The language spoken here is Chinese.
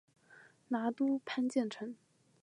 拿督潘健成